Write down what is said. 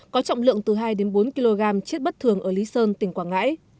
có trọng lượng từ hai đến bốn kg chết bất thường ở lý sơn tỉnh quảng ngãi